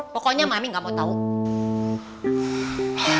pokoknya mami gak mau tahu